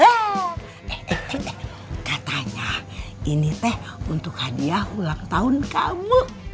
eh katanya ini teh untuk hadiah ulang tahun kamu